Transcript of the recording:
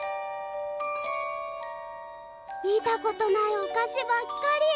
見たことないお菓子ばっかり！